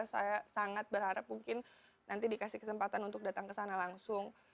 saya sangat berharap mungkin nanti dikasih kesempatan untuk datang ke sana langsung